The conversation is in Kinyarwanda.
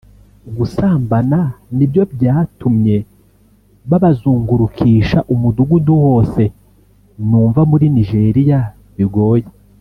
Gusambana nivyo vyatumye babazungurukisha umudugudu wose numva muri Nigeria bigoye